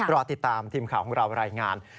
รอติดตามทีมข่าวของเรารายงาน